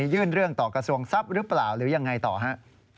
ยื่นเรื่องต่อกระทรวงทรัพย์หรือเปล่าหรือยังไงต่อฮะ